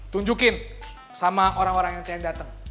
tunjukin sama orang orang yang datang